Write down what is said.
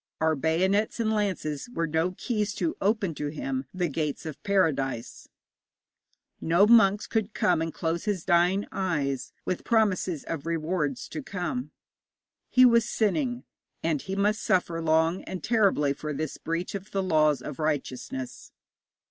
Our bayonets and lances were no keys to open to him the gates of paradise; no monks could come and close his dying eyes with promises of rewards to come. He was sinning, and he must suffer long and terribly for this breach of the laws of righteousness.